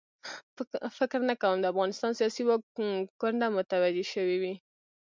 فکر نه کوم د افغانستان سیاسي واک کونډه متوجه شوې وي.